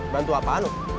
bantu apaan wak